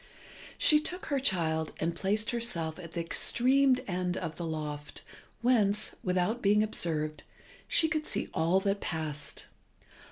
She took her child and placed herself at the extreme end of the loft whence, without being observed, she could see all that passed.